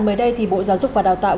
mới đây thì bộ giáo dục và đào tạo